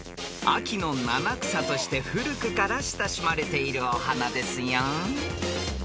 ［秋の七草として古くから親しまれているお花ですよ］